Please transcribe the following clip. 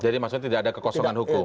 jadi maksudnya tidak ada kekosongan hukum